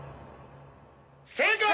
正解！